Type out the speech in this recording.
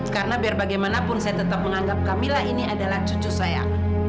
karena biar bagaimanapun saya tetap menganggap kamilah ini adalah cucu saya